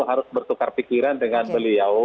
harus bertukar pikiran dengan beliau